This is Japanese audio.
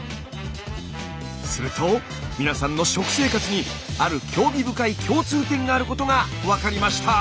すると皆さんの食生活にある興味深い共通点があることが分かりました。